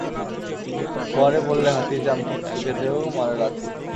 খোয়াড়ে পড়লে হাতি, চামচিকেতেও মারে লাথি।